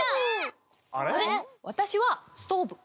私はストーブ。